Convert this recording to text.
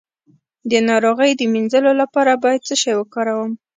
د ناروغۍ د مینځلو لپاره باید څه شی وکاروم؟